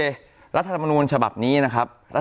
สำหรับนาทีสุดท้าย